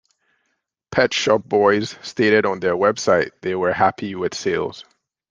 Pet Shop Boys stated on their website they were happy with sales.